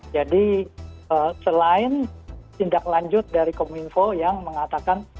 jadi selain tindak lanjut dari kominfo yang mengatakan